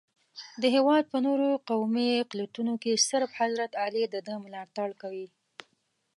د هېواد په نورو قومي اقلیتونو کې صرف حضرت علي دده ملاتړ کوي.